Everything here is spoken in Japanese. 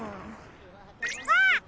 あ。